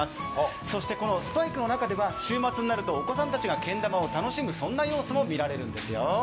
そしてこのＳＰＩＫｅの中では週末になるとお子さんたちがけん玉を楽しむ、そんな様子も見られるんですよ。